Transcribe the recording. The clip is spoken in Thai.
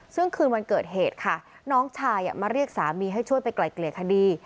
ซึ่งคืนวันเกิดเหตุค่ะน้องชายมาเรียกสามีให้ช่วยไปไกลเกลี่ยคดี